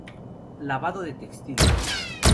Lavado de Textiles